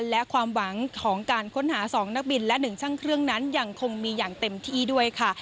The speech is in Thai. และความหวังของการค้นหา๒นักบินและ๑ช่างเครื่องนั้นยังคงมีอย่างเต็มที่ด้วยค่ะ